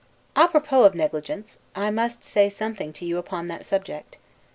'A propos' of negligence: I must say something to you upon that subject.